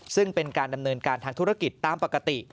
ซึ่งเป็นการดำเนินการทางธุรกิจตามปกติ